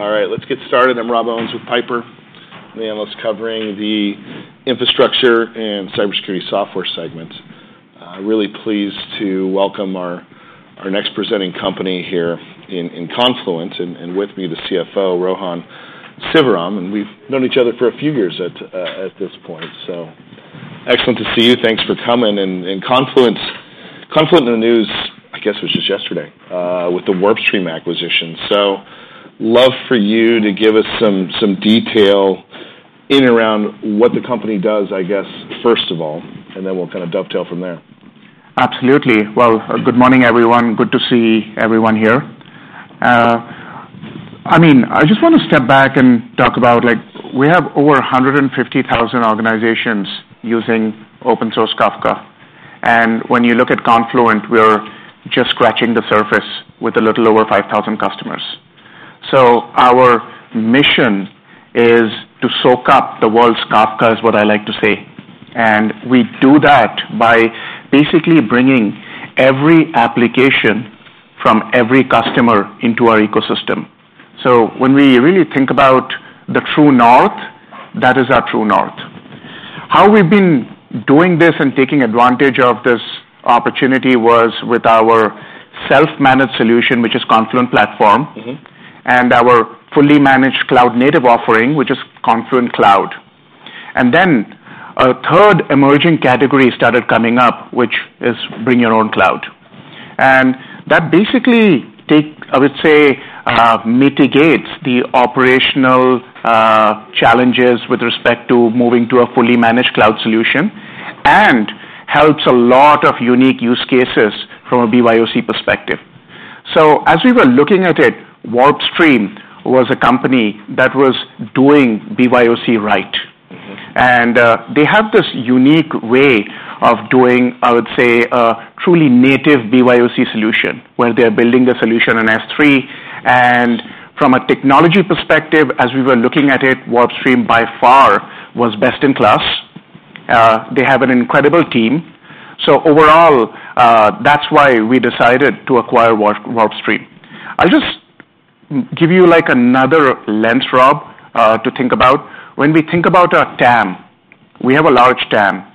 All right, let's get started. I'm Rob Owens with Piper, the analyst covering the infrastructure and cybersecurity software segment. Really pleased to welcome our next presenting company here in Confluent, and with me, the CFO, Rohan Sivaram, and we've known each other for a few years at this point. So excellent to see you. Thanks for coming. Confluent in the news, I guess, was just yesterday with the WarpStream acquisition. So love for you to give us some detail and around what the company does, I guess, first of all, and then we'll kind of dovetail from there. Absolutely. Good morning, everyone. Good to see everyone here. I mean, I just want to step back and talk about, like, we have over 150,000 organizations using open source Kafka, and when you look at Confluent, we're just scratching the surface with a little over 5,000 customers. Our mission is to soak up the world's Kafka, is what I like to say. We do that by basically bringing every application from every customer into our ecosystem. When we really think about the true north, that is our true north. How we've been doing this and taking advantage of this opportunity was with our self-managed solution, which is Confluent Platform- Mm-hmm. -and our fully managed cloud-native offering, which is Confluent Cloud. And then, a third emerging category started coming up, which is bring your own cloud. And that basically I would say mitigates the operational challenges with respect to moving to a fully managed cloud solution and helps a lot of unique use cases from a BYOC perspective. So as we were looking at it, WarpStream was a company that was doing BYOC right. Mm-hmm. They have this unique way of doing, I would say, a truly native BYOC solution, where they're building the solution on S3. From a technology perspective, as we were looking at it, WarpStream, by far, was best in class. They have an incredible team. Overall, that's why we decided to acquire WarpStream. I'll just give you, like, another lens, Rob, to think about. When we think about our TAM, we have a large TAM.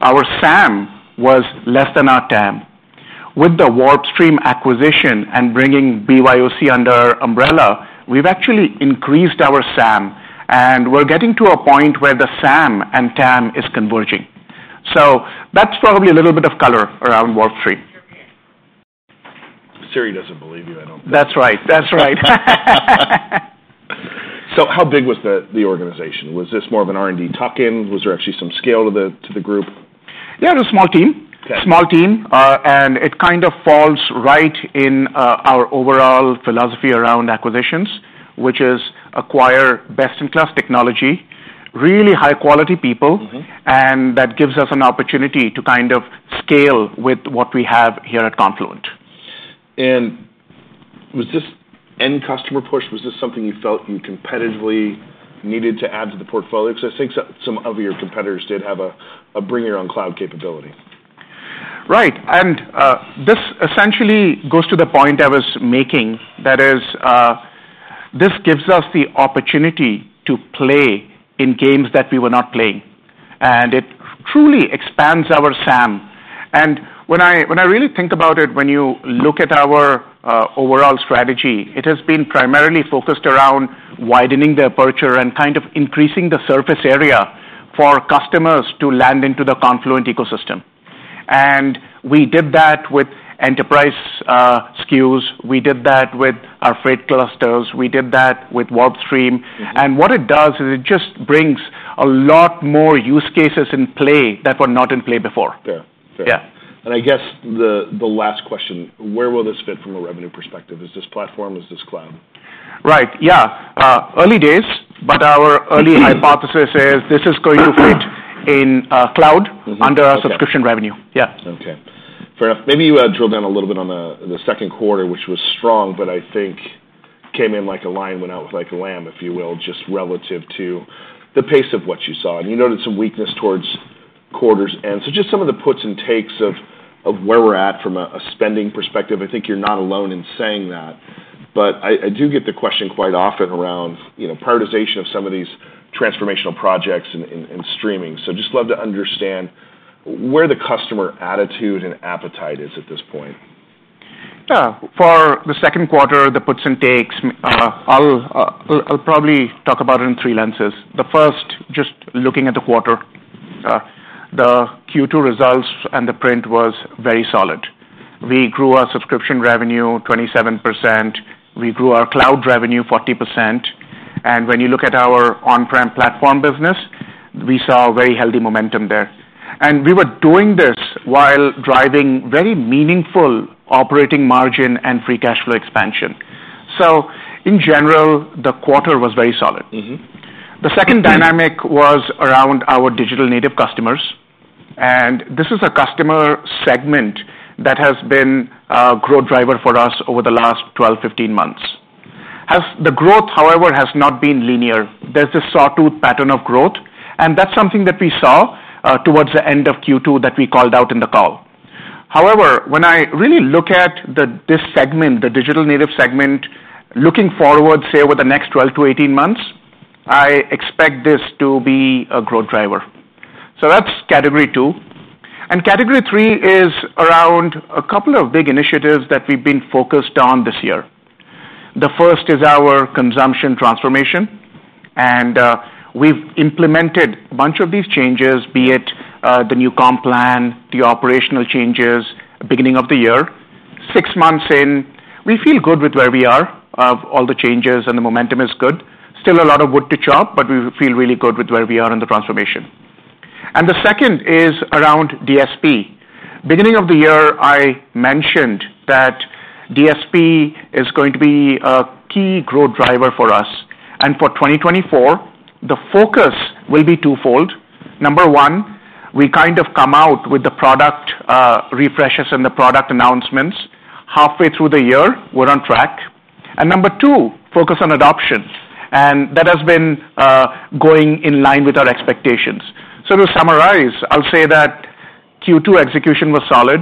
Our SAM was less than our TAM. With the WarpStream acquisition and bringing BYOC under our umbrella, we've actually increased our SAM, and we're getting to a point where the SAM and TAM is converging. That's probably a little bit of color around WarpStream. Siri doesn't believe you, I don't think. That's right. That's right. So how big was the organization? Was this more of an R&D tuck-in? Was there actually some scale to the group? Yeah, it was a small team. Okay. Small team, and it kind of falls right in our overall philosophy around acquisitions, which is acquire best-in-class technology, really high-quality people- Mm-hmm And that gives us an opportunity to kind of scale with what we have here at Confluent. Was this end customer push, was this something you felt you competitively needed to add to the portfolio? Because I think some of your competitors did have a bring your own cloud capability. Right. This essentially goes to the point I was making, that is, this gives us the opportunity to play in games that we were not playing, and it truly expands our SAM. When I really think about it, when you look at our overall strategy, it has been primarily focused around widening the aperture and kind of increasing the surface area for customers to land into the Confluent ecosystem. We did that with enterprise SKUs, we did that with our dedicated clusters, we did that with WarpStream. Mm-hmm. What it does is it just brings a lot more use cases in play that were not in play before. Fair. Fair. Yeah. I guess the last question: Where will this fit from a revenue perspective? Is this platform, is this cloud? Right. Yeah. Early days, but our early- Mm-hmm -hypothesis is this is going to fit in, cloud- Mm-hmm. Okay. -under our subscription revenue. Yeah. Okay. Fair enough. Maybe you drill down a little bit on the second quarter, which was strong, but I think came in like a lion, went out like a lamb, if you will, just relative to the pace of what you saw. And you noted some weakness towards quarter's end. So just some of the puts and takes of where we're at from a spending perspective. I think you're not alone in saying that, but I do get the question quite often around, you know, prioritization of some of these transformational projects in streaming. So just love to understand where the customer attitude and appetite is at this point. Yeah. For the second quarter, the puts and takes, I'll probably talk about it in three lenses. The first, just looking at the quarter, the Q2 results and the print was very solid. We grew our subscription revenue 27%, we grew our cloud revenue 40%, and when you look at our on-prem platform business, we saw a very healthy momentum there. And we were doing this while driving very meaningful operating margin and free cash flow expansion. So in general, the quarter was very solid. Mm-hmm. The second dynamic was around our digital native customers, and this is a customer segment that has been a growth driver for us over the last 12, 15 months. The growth, however, has not been linear. There's a sawtooth pattern of growth, and that's something that we saw towards the end of Q2 that we called out in the call. However, when I really look at this segment, the digital native segment, looking forward, say, over the next 12 to 18 months, I expect this to be a growth driver. So that's category two, and category three is around a couple of big initiatives that we've been focused on this year. The first is our consumption transformation, and we've implemented a bunch of these changes, the new comp plan, the operational changes, beginning of the year. Six months in, we feel good with where we are, of all the changes, and the momentum is good. Still a lot of wood to chop, but we feel really good with where we are in the transformation. And the second is around DSP. Beginning of the year, I mentioned that DSP is going to be a key growth driver for us. And for twenty twenty-four, the focus will be twofold. Number one, we kind of come out with the product, refreshes and the product announcements. Halfway through the year, we're on track. And number two, focus on adoption, and that has been, going in line with our expectations. So to summarize, I'll say that Q2 execution was solid.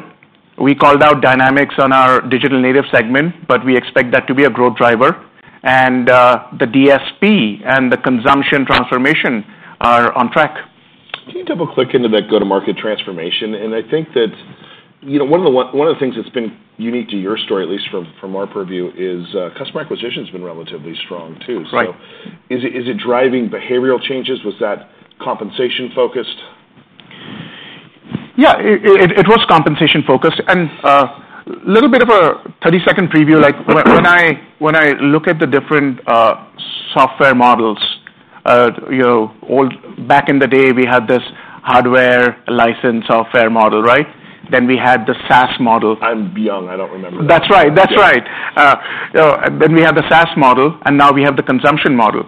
We called out dynamics on our digital native segment, but we expect that to be a growth driver, and, the DSP and the consumption transformation are on track. Can you double-click into that go-to-market transformation? I think that, you know, one of the things that's been unique to your story, at least from our purview, is customer acquisition's been relatively strong, too. Right. So is it, is it driving behavioral changes? Was that compensation-focused? Yeah, it was compensation-focused, and a little bit of a thirty-second preview, like, when I look at the different software models, you know, back in the day, we had this hardware license software model, right? Then we had the SAS model. I'm young, I don't remember. That's right. That's right. Then we had the SAS model, and now we have the consumption model.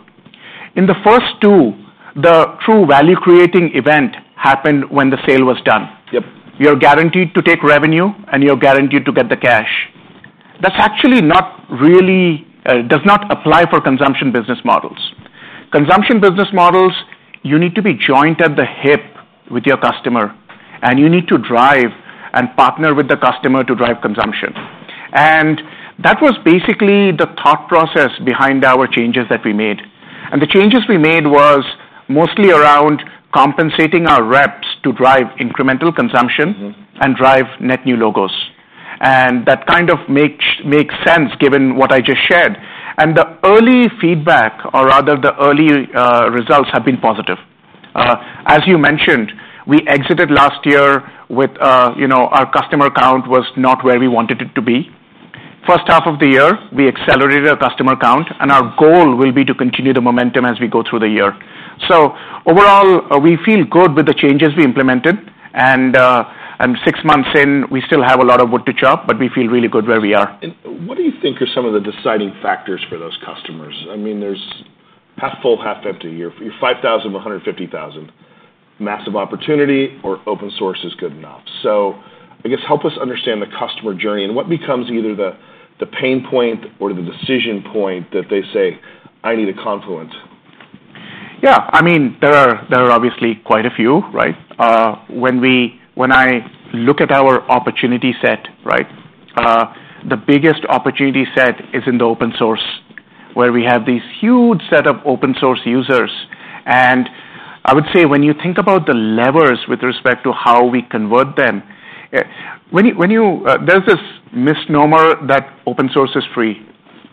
In the first two, the true value-creating event happened when the sale was done. Yep. You're guaranteed to take revenue, and you're guaranteed to get the cash. That's actually not really does not apply for consumption business models. Consumption business models, you need to be joined at the hip with your customer, and you need to drive and partner with the customer to drive consumption. And that was basically the thought process behind our changes that we made. And the changes we made was mostly around compensating our reps to drive incremental consumption. Mm-hmm. and drive net new logos. And that kind of makes sense given what I just shared. And the early feedback, or rather the early results, have been positive. As you mentioned, we exited last year with you know our customer count was not where we wanted it to be. First half of the year, we accelerated our customer count, and our goal will be to continue the momentum as we go through the year. So overall, we feel good with the changes we implemented, and six months in, we still have a lot of wood to chop, but we feel really good where we are. What do you think are some of the deciding factors for those customers? I mean, there's half full, half empty. From 5,000 to 150,000, massive opportunity or open source is good enough. So I guess help us understand the customer journey and what becomes either the pain point or the decision point that they say, "I need a Confluent. Yeah. I mean, there are obviously quite a few, right? When I look at our opportunity set, right, the biggest opportunity set is in the open source, where we have these huge set of open-source users. And I would say, when you think about the levers with respect to how we convert them, there's this misnomer that open source is free.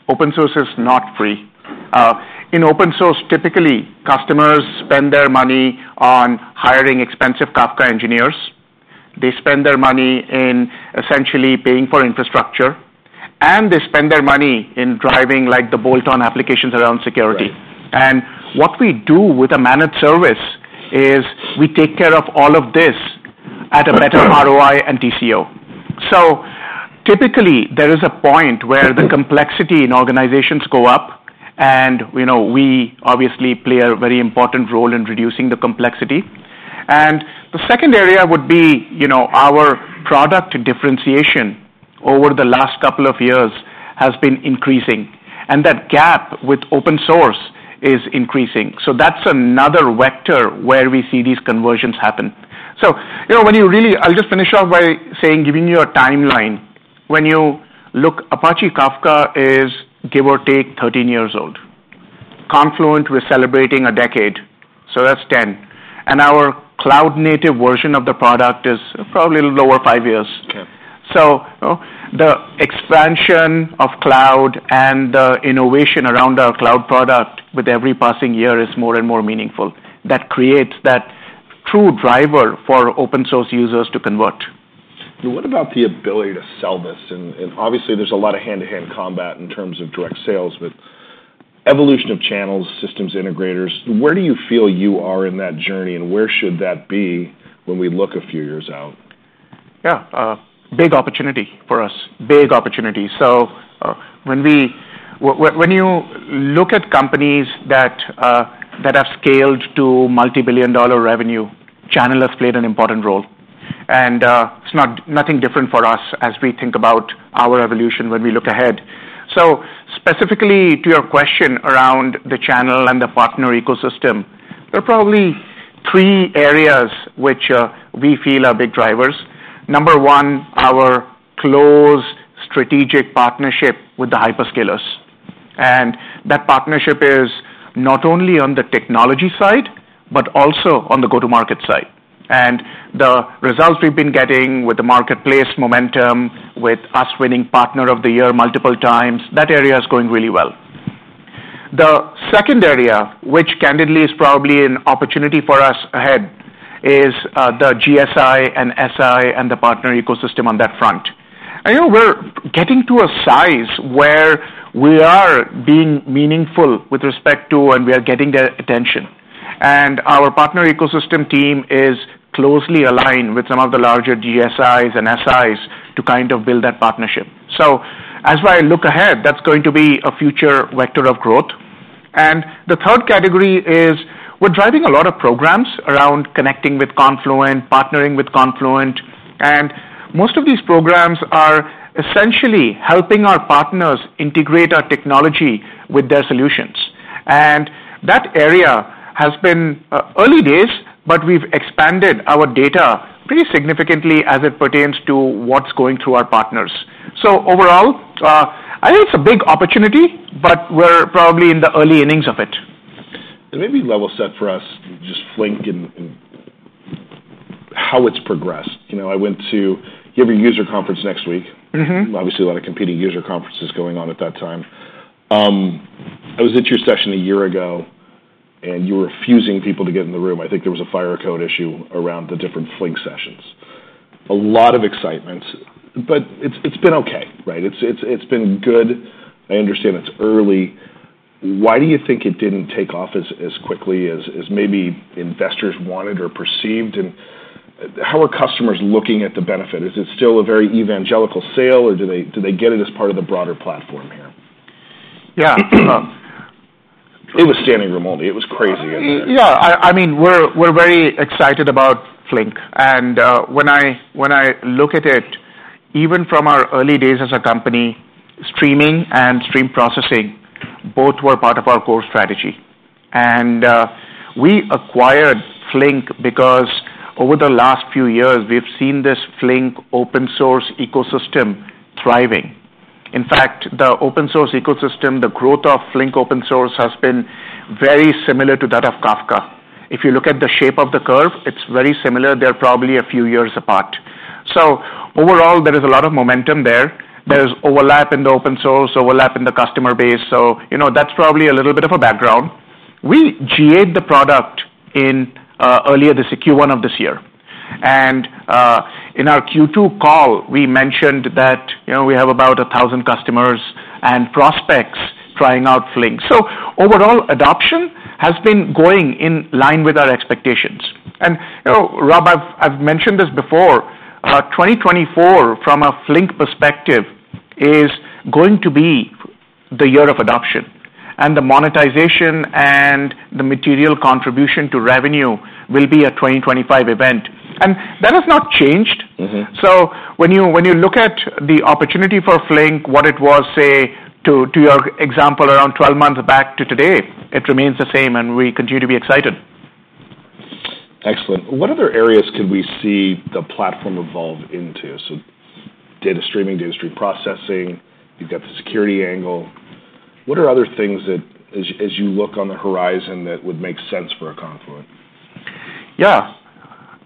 Open source is not free. In open source, typically, customers spend their money on hiring expensive Kafka engineers. They spend their money in essentially paying for infrastructure, and they spend their money in driving, like, the bolt-on applications around security. Right. What we do with a managed service is we take care of all of this at a better ROI and TCO. Typically, there is a point where the complexity in organizations go up, and, you know, we obviously play a very important role in reducing the complexity. The second area would be, you know, our product differentiation over the last couple of years has been increasing, and that gap with open source is increasing. That's another vector where we see these conversions happen. You know, when you really, I'll just finish off by saying, giving you a timeline. When you look, Apache Kafka is, give or take, 13 years old. Confluent, we're celebrating a decade, so that's 10. Our cloud-native version of the product is probably a little lower, five years. Okay. So the expansion of cloud and the innovation around our cloud product with every passing year is more and more meaningful. That creates that true driver for open-source users to convert. And what about the ability to sell this? And obviously there's a lot of hand-to-hand combat in terms of direct sales, but evolution of channels, systems integrators, where do you feel you are in that journey, and where should that be when we look a few years out? Yeah, big opportunity for us. Big opportunity. So, when you look at companies that have scaled to multibillion-dollar revenue, channel has played an important role, and it's not nothing different for us as we think about our evolution when we look ahead, specifically to your question around the channel and the partner ecosystem, there are probably three areas which we feel are big drivers. Number one, our close strategic partnership with the hyperscalers, and that partnership is not only on the technology side, but also on the go-to-market side, and the results we've been getting with the marketplace momentum, with us winning Partner of the Year multiple times, that area is going really well. The second area, which candidly is probably an opportunity for us ahead, is the GSI and SI and the partner ecosystem on that front. I know we're getting to a size where we are being meaningful with respect to, and we are getting their attention. And our partner ecosystem team is closely aligned with some of the larger GSIs and SIs to kind of build that partnership. So as I look ahead, that's going to be a future vector of growth. And the third category is we're driving a lot of programs around connecting with Confluent, partnering with Confluent, and most of these programs are essentially helping our partners integrate our technology with their solutions. And that area has been early days, but we've expanded our data pretty significantly as it pertains to what's going through our partners. So overall, I think it's a big opportunity, but we're probably in the early innings of it. Maybe level set for us, just Flink and how it's progressed. You know, I went to... You have a user conference next week. Mm-hmm. Obviously, a lot of competing user conferences going on at that time. I was at your session a year ago, and you were refusing people to get in the room. I think there was a fire code issue around the different Flink sessions. A lot of excitement, but it's been okay, right? It's been good. I understand it's early. Why do you think it didn't take off as quickly as maybe investors wanted or perceived? And how are customers looking at the benefit? Is it still a very evangelical sale, or do they get it as part of the broader platform here? Yeah. It was standing room only. It was crazy in there. Yeah, I mean, we're very excited about Flink. And when I look at it, even from our early days as a company, streaming and stream processing both were part of our core strategy. And we acquired Flink because over the last few years, we've seen this Flink open source ecosystem thriving. In fact, the open source ecosystem, the growth of Flink open source, has been very similar to that of Kafka. If you look at the shape of the curve, it's very similar. They're probably a few years apart. So overall, there is a lot of momentum there. There is overlap in the open source, overlap in the customer base, so you know, that's probably a little bit of a background. We GA-ed the product in earlier this Q1 of this year. In our Q2 call, we mentioned that, you know, we have about a thousand customers and prospects trying out Flink. Overall, adoption has been going in line with our expectations. You know, Rob, I've mentioned this before, 2024, from a Flink perspective, is going to be the year of adoption, and the monetization and the material contribution to revenue will be a 2025 event. That has not changed. Mm-hmm. So when you look at the opportunity for Flink, what it was, say, to your example, around twelve months back to today. It remains the same, and we continue to be excited. Excellent. What other areas could we see the platform evolve into? So data streaming, data stream processing, you've got the security angle. What are other things that as you look on the horizon, that would make sense for a Confluent? Yeah.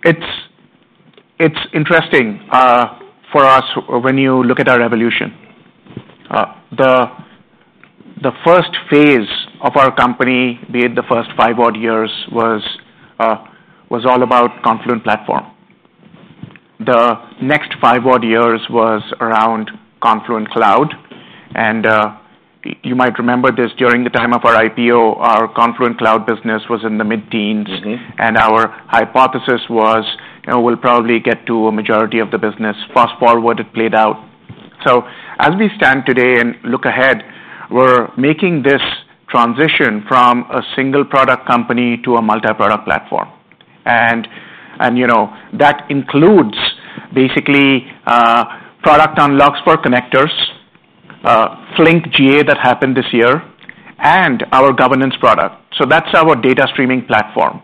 It's interesting for us when you look at our evolution. The first phase of our company, be it the first five odd years, was all about Confluent Platform. The next five odd years was around Confluent Cloud. And you might remember this, during the time of our IPO, our Confluent Cloud business was in the mid-teens. Mm-hmm. And our hypothesis was, you know, we'll probably get to a majority of the business. Fast forward, it played out. So as we stand today and look ahead, we're making this transition from a single product company to a multi-product platform. And, you know, that includes basically, product unlocks for connectors, Flink GA, that happened this year, and our governance product. So that's our data streaming platform.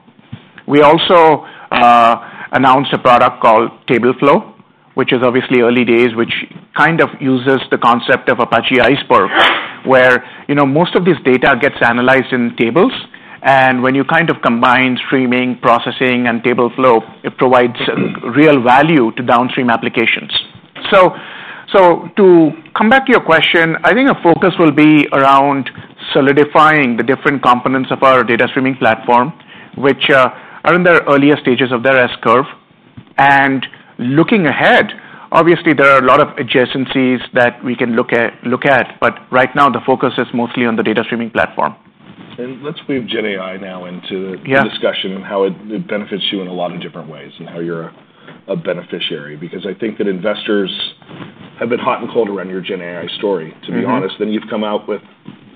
We also announced a product called Tableflow, which is obviously early days, which kind of uses the concept of Apache Iceberg, where, you know, most of this data gets analyzed in tables, and when you kind of combine streaming, processing, and Tableflow, it provides real value to downstream applications. To come back to your question, I think our focus will be around solidifying the different components of our data streaming platform, which are in their earlier stages of their S-curve. Looking ahead, obviously, there are a lot of adjacencies that we can look at, but right now, the focus is mostly on the data streaming platform. And let's move GenAI now into the- Yeah. -discussion and how it benefits you in a lot of different ways, and how you're a beneficiary. Because I think that investors have been hot and cold around your GenAI story- Mm-hmm. -to be honest. Then you've come out with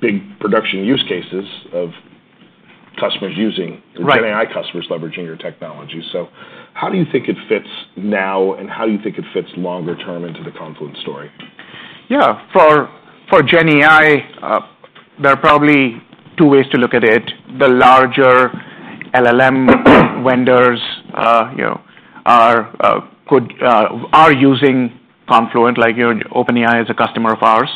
big production use cases of AI, customers using- Right. -GenAI customers leveraging your technology. So how do you think it fits now, and how do you think it fits longer term into the Confluent story? Yeah. For GenAI, there are probably two ways to look at it. The larger LLM vendors, you know, are using Confluent, like, you know, OpenAI is a customer of ours.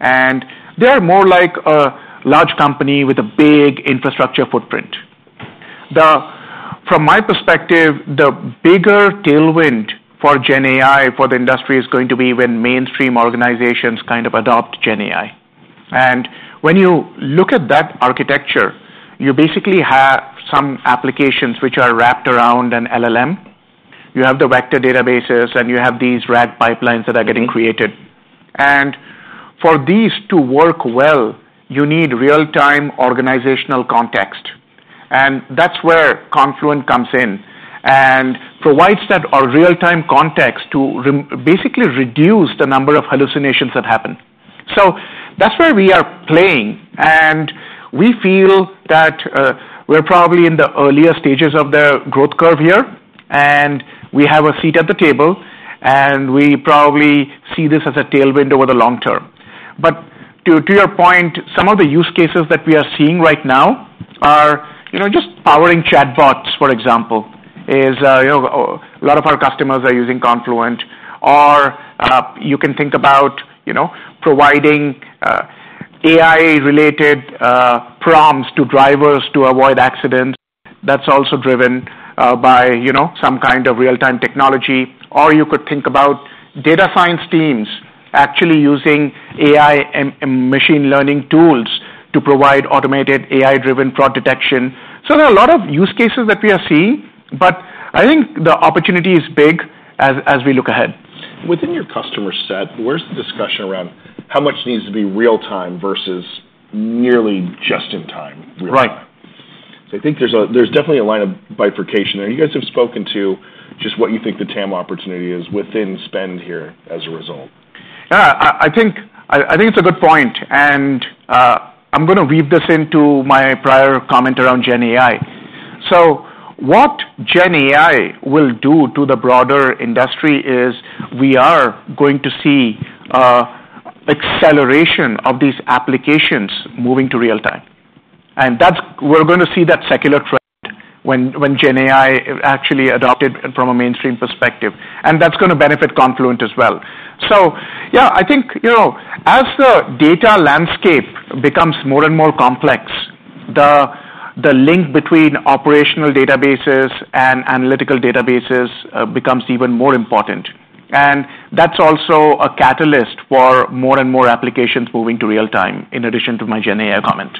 And they're more like a large company with a big infrastructure footprint. From my perspective, the bigger tailwind for GenAI, for the industry, is going to be when mainstream organizations kind of adopt GenAI. And when you look at that architecture, you basically have some applications which are wrapped around an LLM. You have the vector databases, and you have these RAG pipelines that are getting created. And for these to work well, you need real-time organizational context, and that's where Confluent comes in, and provides that real-time context to basically reduce the number of hallucinations that happen. So that's where we are playing, and we feel that, we're probably in the earlier stages of the growth curve here, and we have a seat at the table, and we probably see this as a tailwind over the long term. But to, to your point, some of the use cases that we are seeing right now are, you know, just powering chatbots, for example, is, you know, a lot of our customers are using Confluent. Or, you can think about, you know, providing, AI-related, prompts to drivers to avoid accidents. That's also driven, by, you know, some kind of real-time technology. Or you could think about data science teams actually using AI and, and machine learning tools to provide automated AI-driven fraud detection. There are a lot of use cases that we are seeing, but I think the opportunity is big as we look ahead. Within your customer set, where's the discussion around how much needs to be real time versus nearly just in time, real time? Right. So I think there's definitely a line of bifurcation there. You guys have spoken to just what you think the TAM opportunity is within spend here as a result. Yeah, I think it's a good point, and I'm gonna weave this into my prior comment around GenAI. So what GenAI will do to the broader industry is we are going to see acceleration of these applications moving to real time. And that's. We're going to see that secular trend when GenAI actually adopted from a mainstream perspective, and that's gonna benefit Confluent as well. So yeah, I think, you know, as the data landscape becomes more and more complex, the link between operational databases and analytical databases becomes even more important. And that's also a catalyst for more and more applications moving to real time, in addition to my GenAI comment.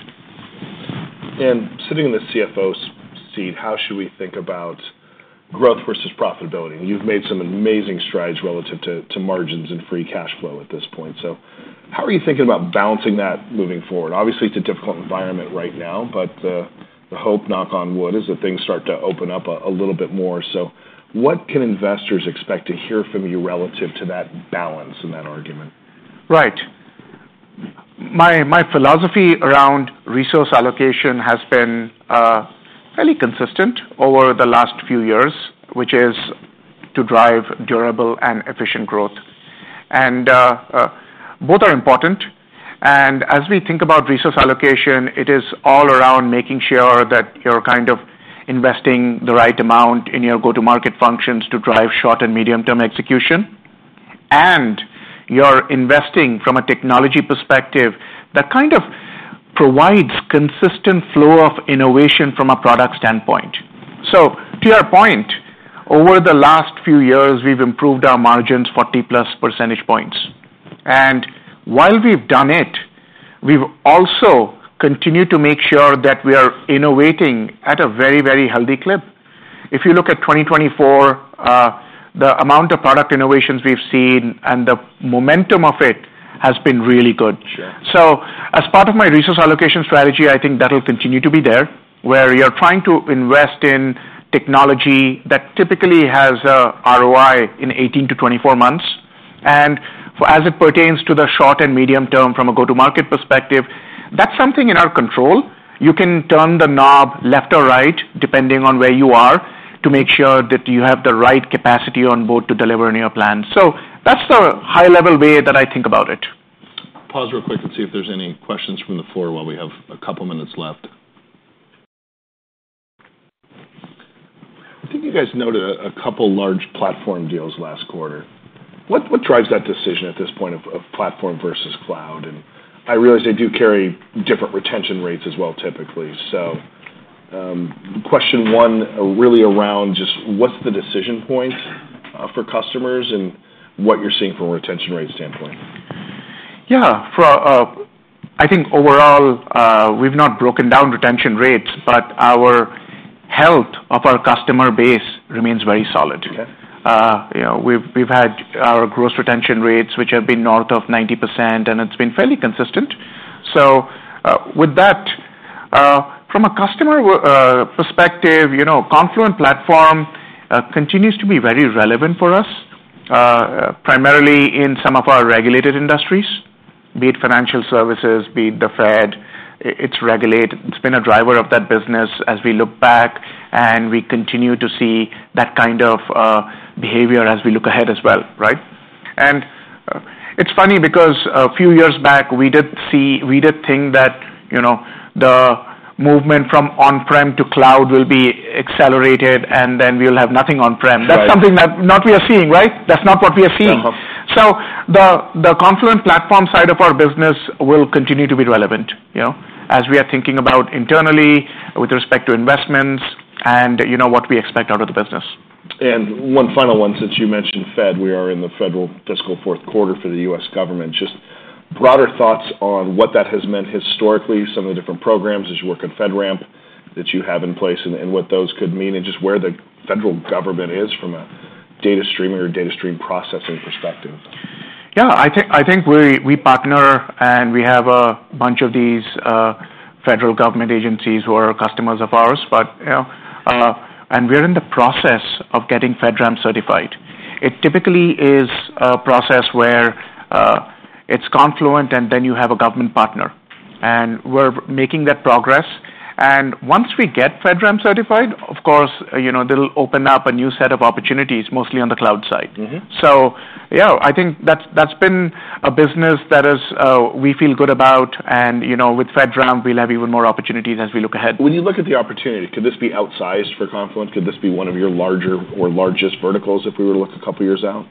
Sitting in the CFO seat, how should we think about growth versus profitability? You've made some amazing strides relative to margins and free cash flow at this point. So how are you thinking about balancing that moving forward? Obviously, it's a difficult environment right now, but the hope, knock on wood, is that things start to open up a little bit more. So what can investors expect to hear from you relative to that balance in that argument? Right. My philosophy around resource allocation has been fairly consistent over the last few years, which is to drive durable and efficient growth. And both are important. And as we think about resource allocation, it is all around making sure that you're kind of investing the right amount in your go-to-market functions to drive short and medium-term execution. And you're investing from a technology perspective that kind of provides consistent flow of innovation from a product standpoint. So to your point, over the last few years, we've improved our margins forty-plus percentage points. And while we've done it, we've also continued to make sure that we are innovating at a very, very healthy clip. If you look at twenty twenty-four, the amount of product innovations we've seen and the momentum of it has been really good. Sure. As part of my resource allocation strategy, I think that'll continue to be there, where you're trying to invest in technology that typically has a ROI in eighteen-to-twenty-four months. As it pertains to the short and medium term from a go-to-market perspective, that's something in our control. You can turn the knob left or right, depending on where you are, to make sure that you have the right capacity on board to deliver on your plan. That's the high-level way that I think about it. Pause real quick and see if there's any questions from the floor while we have a couple minutes left. I think you guys noted a couple large platform deals last quarter. What drives that decision at this point of platform versus cloud? And I realize they do carry different retention rates as well, typically. So, question one, really around just what's the decision point for customers and what you're seeing from a retention rate standpoint? Yeah. For, I think overall, we've not broken down retention rates, but the health of our customer base remains very solid. Okay. You know, we've had our gross retention rates, which have been north of 90%, and it's been fairly consistent. So, with that, from a customer perspective, you know, Confluent Platform continues to be very relevant for us, primarily in some of our regulated industries. Be it financial services, be it the Fed, it's regulated. It's been a driver of that business as we look back, and we continue to see that kind of behavior as we look ahead as well, right? And it's funny because a few years back, we did think that, you know, the movement from on-prem to cloud will be accelerated, and then we'll have nothing on-prem. Right. That's something that we are not seeing, right? That's not what we are seeing. Yeah. The Confluent Platform side of our business will continue to be relevant, you know, as we are thinking about internally with respect to investments and, you know, what we expect out of the business. And one final one, since you mentioned Fed, we are in the federal fiscal fourth quarter for the U.S. government. Just broader thoughts on what that has meant historically, some of the different programs as you work on FedRAMP that you have in place, and what those could mean, and just where the federal government is from a data stream or data stream processing perspective. Yeah, I think we partner, and we have a bunch of these federal government agencies who are customers of ours. But, you know, and we're in the process of getting FedRAMP certified. It typically is a process where it's Confluent, and then you have a government partner, and we're making that progress. And once we get FedRAMP certified, of course, you know, that'll open up a new set of opportunities, mostly on the cloud side. Mm-hmm. So yeah, I think that's, that's been a business that is, we feel good about, and, you know, with FedRAMP, we'll have even more opportunities as we look ahead. When you look at the opportunity, could this be outsized for Confluent? Could this be one of your larger or largest verticals if we were to look a couple of years out?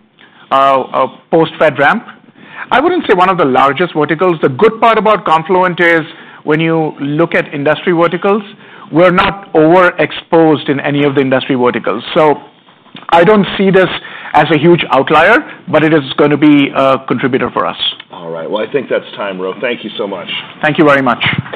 Post-FedRAMP? I wouldn't say one of the largest verticals. The good part about Confluent is, when you look at industry verticals, we're not overexposed in any of the industry verticals. So I don't see this as a huge outlier, but it is gonna be a contributor for us. All right. Well, I think that's time, Rohan. Thank you so much. Thank you very much.